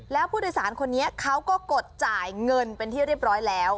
แล้วผู้โดยสารคนนี้เขาก็กดจ่ายเงินเป็นที่เรียบร้อยแล้ว